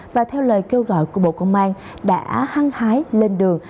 và theo lời kêu gọi của bộ công an đã hăng hái lên đường